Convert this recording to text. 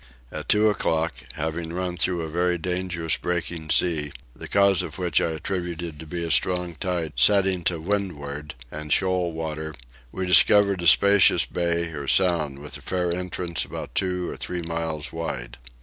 At two o'clock, having run through a very dangerous breaking sea, the cause of which I attributed to be a strong tide setting to windward, and shoal water, we discovered a spacious bay or sound with a fair entrance about two or three miles wide.